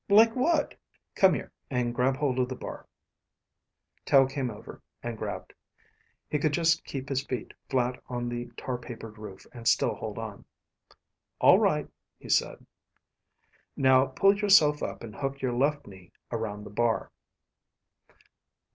"Like what?" "Come here and grab hold of the bar." Tel came over and grabbed. He could just keep his feet flat on the tar papered roof and still hold on. "All right," he said. "Now pull yourself up and hook your left knee around the bar."